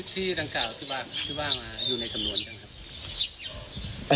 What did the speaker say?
ที่รังกาลที่บ้างอยู่ในสำนวนกันครับ